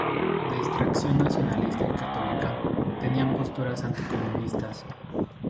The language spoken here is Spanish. De extracción nacionalista y católica, tenía posturas anticomunistas.